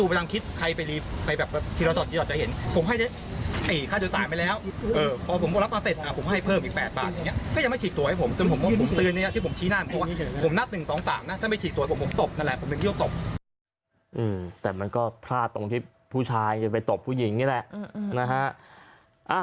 อืมแต่มันก็พลาดตรงที่ผู้ชายเลยไปตบผู้หญิงนี่แหละ